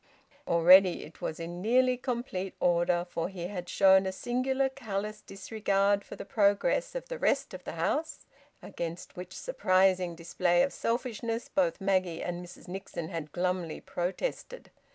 Already it was in nearly complete order, for he had shown a singular, callous disregard for the progress of the rest of the house: against which surprising display of selfishness both Maggie and Mrs Nixon had glumly protested.